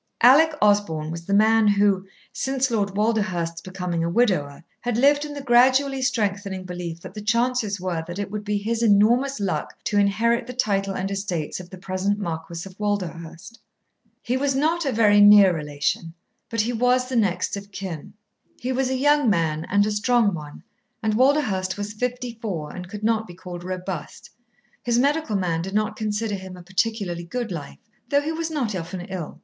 Alec Osborn was the man who, since Lord Walderhurst's becoming a widower, had lived in the gradually strengthening belief that the chances were that it would be his enormous luck to inherit the title and estates of the present Marquis of Walderhurst. He was not a very near relation, but he was the next of kin. He was a young man and a strong one, and Walderhurst was fifty four and could not be called robust. His medical man did not consider him a particularly good life, though he was not often ill.